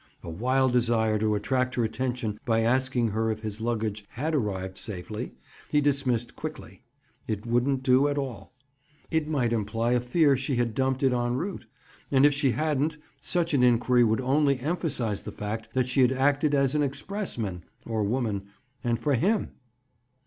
A wild desire to attract her attention by asking her if his luggage had arrived safely, he dismissed quickly. It wouldn't do at all. It might imply a fear she had dumped it out, en route. And if she hadn't, such an inquiry would only emphasize the fact that she had acted as expressman—or woman—and for him!